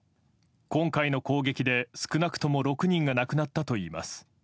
今回の着弾で、少なくとも６人が亡くなったといいます。